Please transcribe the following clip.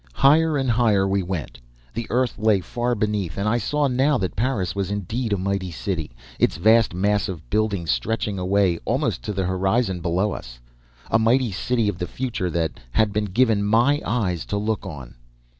"Higher and higher we went. The earth lay far beneath and I saw now that Paris was indeed a mighty city, its vast mass of buildings stretching away almost to the horizons below us. A mighty city of the future that it had been given my eyes to look on!